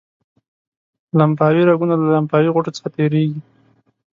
لمفاوي رګونه له لمفاوي غوټو څخه تیریږي.